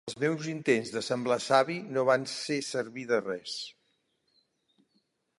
Els meus intents de semblar savi no van ser servir de res.